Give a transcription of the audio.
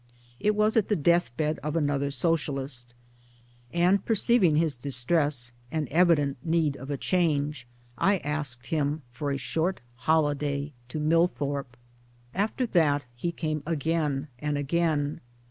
It was at the deathbed of another Socialist ; and perceiving his distress and evident need of a change I asked him for a short holiday i8o MY DAYS AND DREAMS to Millthorpe. After that he came again, and again.